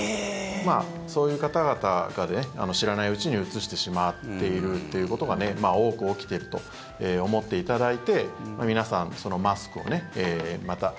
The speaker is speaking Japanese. そういう方々が知らないうちにうつしてしまっているということが多く起きていると思っていただいて皆さん、マスクをまた。